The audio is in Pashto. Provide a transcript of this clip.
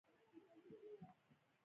سوی په خپلو پښو ویاړ کاوه.